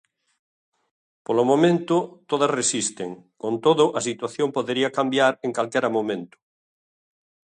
Polo momento, todas resisten, con todo a situación podería cambiar en calquera momento.